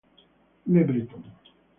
Le Breton